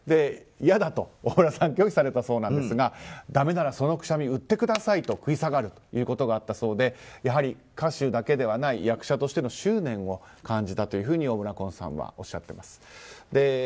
いやだと大村さんは拒否されたそうなんですがだめなら、そのくしゃみ売ってくださいと食い下がることがあったそうでやはり歌手だけではない役者としての執念を感じたと大村崑さんはおっしゃっています。